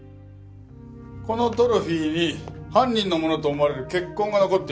このトロフィーに犯人のものと思われる血痕が残っていた。